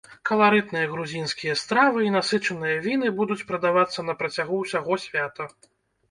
Каларытныя грузінскія стравы і насычаныя віны будуць прадавацца на працягу ўсяго свята.